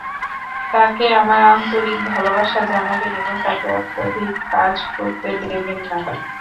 তাকে আমার আন্তরিক ভালবাসা জানাবেন এবং তাকে অত্যধিক কাজ করতে দেবেন না।